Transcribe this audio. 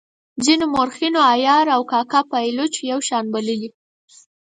ځینو مورخینو عیار او کاکه او پایلوچ یو شان بللي.